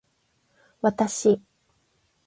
私